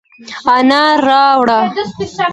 انار راوړه،